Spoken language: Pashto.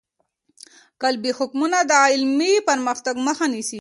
قالبي حکمونه د علمي پرمختګ مخه نیسي.